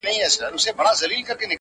اوبولې یې ریشتیا د زړونو مراندي!!